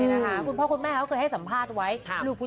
อร่อยดื่มใจมากดูดิ